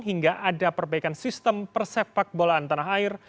hingga ada perbaikan sistem persepak bolaan tanah air